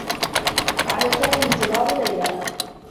على سامي انتظار ليلى.